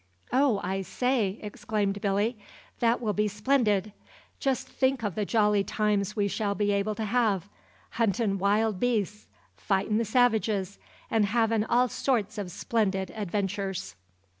"Oh, I say!" exclaimed Billy, "that will be splendid! Just think of the jolly times we shall be able to have, huntin' wild beasts, fightin' the savages, and havin' all sorts of splendid adventures."